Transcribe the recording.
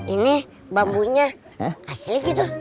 ini bambunya asli gitu